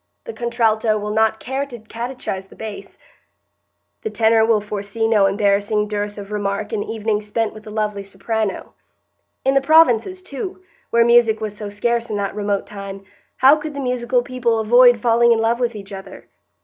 The contralto will not care to catechise the bass; the tenor will foresee no embarrassing dearth of remark in evenings spent with the lovely soprano. In the provinces, too, where music was so scarce in that remote time, how could the musical people avoid falling in love with each other?